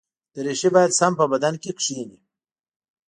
دریشي باید سم په بدن کې کېني.